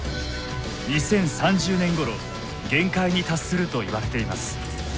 ２０３０年ごろ限界に達するといわれています。